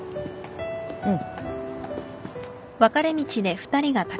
うん。